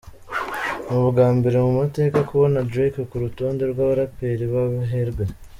Ni ubwa mbere mu mateka kubona Drake ku rutonde rw’abaperi b’abaherwe.